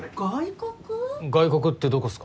外国ってどこっすか？